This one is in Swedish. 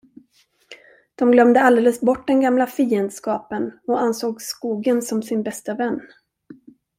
De glömde alldeles bort den gamla fiendskapen och ansåg skogen som sin bästa vän.